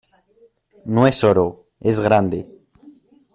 no es oro. es grande .